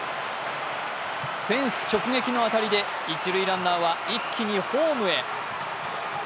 フェンス直撃の当たりで一塁ランナーは一気にホームへ。